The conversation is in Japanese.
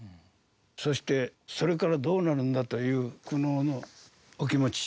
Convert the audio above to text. そしてそれからどうなるんだという苦悩のお気持ち。